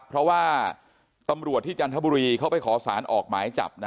เพราะว่าตำรวจที่จันทบุรีเขาไปขอสารออกหมายจับนะ